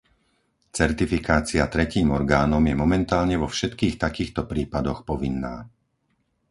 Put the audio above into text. Certifikácia tretím orgánom je momentálne vo všetkých takýchto prípadoch povinná.